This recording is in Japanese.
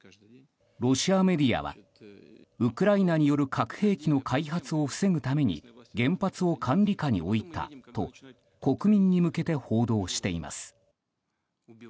ロシアメディアはウクライナによる核兵器の開発を防ぐために原発を管理下に置いたと国民に向けて報道しています。